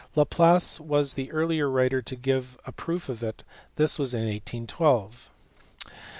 Laplace was the earliest writer to give a proof of it : this was in 1812 (see above, p.